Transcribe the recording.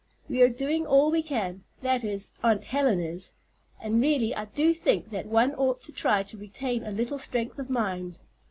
We are doing all we can—that is, Aunt Helen is; and really I do think that one ought to try to retain a little strength of mind.